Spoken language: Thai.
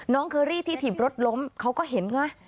เคอรี่ที่ถีบรถล้มเขาก็เห็นไง